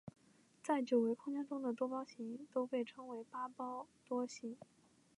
在九维空间中的多胞形都被称为八维多胞形。